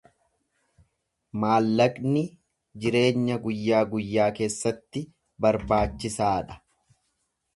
Maallaqni jireenya guyyaa guyyaa keessatti barbaachisaa dha.